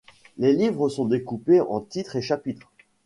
Les livres sont découpés en titres et chapitres.